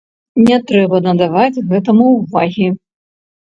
Не трэба надаваць гэтаму ўвагі.